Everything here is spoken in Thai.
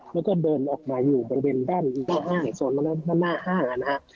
แล้วก็เดินออกมาอยู่บริเวณด้านหน้าห้างส่วนหน้าห้างอ่ะนะครับ